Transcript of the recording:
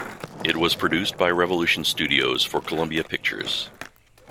It was produced by Revolution Studios for Columbia Pictures.